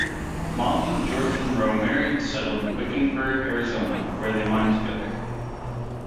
Mollie and George Monroe married and settled in Wickenburg, Arizona, where they mined together.